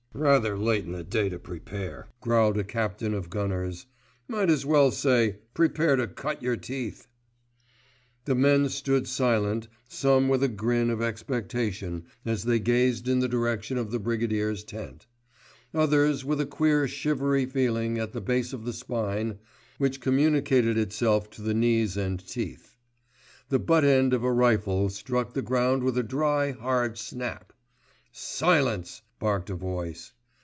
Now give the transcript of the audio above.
"Rather late in the day to prepare," growled a captain of gunners. "Might as well say 'Prepare to cut your teeth.'" The men stood silent, some with a grin of expectation as they gazed in the direction of the Brigadier's tent; others with a queer shivery feeling at the base of the spine, which communicated itself to the knees and teeth. The butt end of a rifle struck the ground with a dry, hard snap. "Silence!" barked a voice.